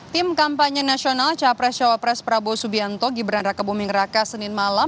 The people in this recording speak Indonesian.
tim kampanye nasional capres cawapres prabowo subianto gibran raka buming raka senin malam